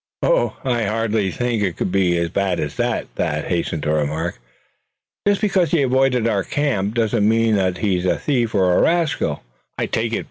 "Oh! I hardly think it could be as bad as that," Thad hastened to remark. "Just because he avoided our camp doesn't mean that he's a thief, or a rascal, I take it.